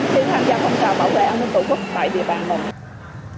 khi tham gia phòng trò bảo vệ an ninh tổ quốc tại địa bàn mình